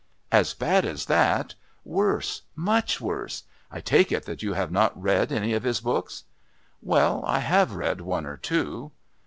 "As bad as that? Worse! Much worse! I take it that you have not read any of his books." "Well, I have read one or two!"